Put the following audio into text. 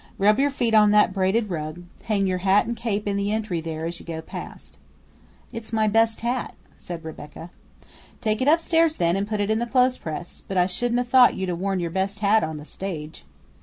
Rub your feet on that braided rug; hang your hat and cape in the entry there as you go past." "It's my best hat," said Rebecca "Take it upstairs then and put it in the clothes press; but I shouldn't 'a' thought you'd 'a' worn your best hat on the stage."